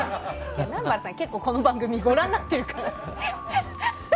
南原さん、結構この番組ご覧になってるから。